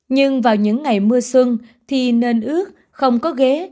nhưng vào những ngày mưa xuân thì nên ước không có ghế